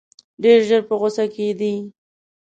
ډېر ژر په غوسه کېدی.